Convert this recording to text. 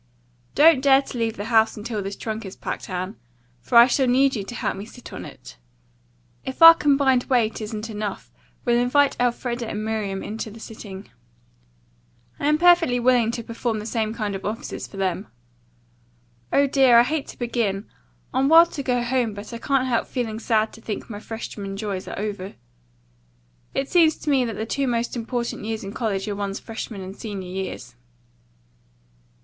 Don't dare to leave the house until this trunk is packed, Anne, for I shall need you to help me sit on it. If our combined weight isn't enough, we'll invite Elfreda and Miriam in to the sitting. I am perfectly willing to perform the same kind offices for them. Oh, dear, I hate to begin. I'm wild to go home, but I can't help feeling sad to think my freshman joys are over. It seems to me that the two most important years in college are one's freshman and senior years.